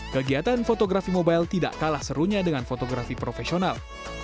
kegiatan fotografi mobile tidak kalah serunya dengan fotografi profesional